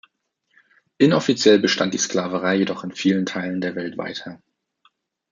Inoffiziell bestand die Sklaverei jedoch in vielen Teilen der Welt weiter.